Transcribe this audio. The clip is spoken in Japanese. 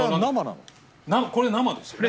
これ生ですよね？